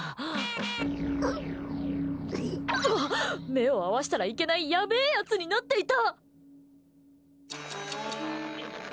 目を合わせたらいけないやべーやつになっていた！